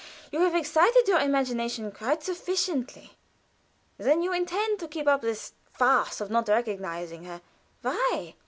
You have exercised your imagination quite sufficiently. Then you intend to keep up this farce of not recognizing her. Why?"